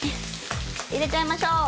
入れちゃいましょう。